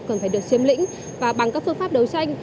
cần phải được xem lĩnh và bằng các phương pháp đấu tranh